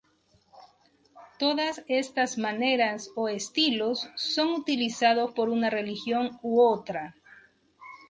Todas estas maneras o estilos son utilizados por una religión u otra.